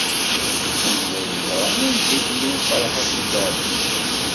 Anwa i yeẓran anda i d-ilul Ferḥat n At Ɛebbas?